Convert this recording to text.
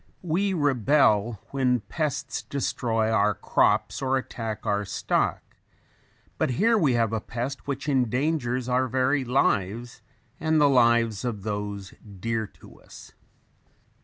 We rebel when pests destroy our crops or attack our stock, but here we have a pest which endangers our very lives, and the lives of those dear to us.